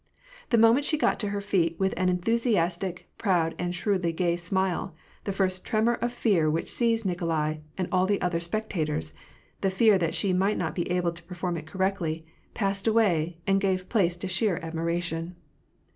The moment she got to her feet, with an enthusiastic, proud, and shrewdly gay smile, the first tremor of fear which seized Nikolai and all the other specta tors, — the fear that she might not be able to perform it cor rectly,— passed away, and gave place to sheer admiration.